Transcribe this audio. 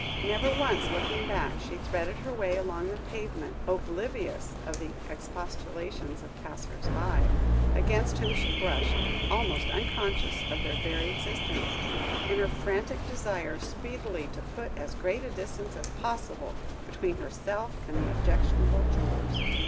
Never once looking back, she threaded her way along the pavement, oblivious of the expostulations of passers by, against whom she brushed; almost unconscious of their very existence, in her frantic desire speedily to put as great a distance as possible between herself and the objectionable jewellers.